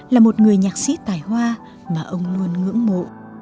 là một người nhạc sĩ tài hoa mà ông luôn ngưỡng mộ